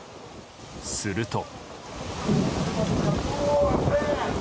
すると。